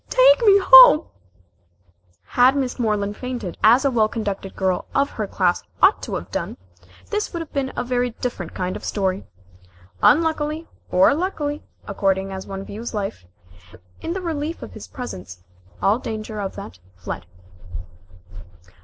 Take me home " Had Miss Moreland fainted, as a well conducted girl of her class ought to have done, this would have been a very different kind of a story. Unluckily, or luckily, according as one views life in the relief of his presence, all danger of that fled.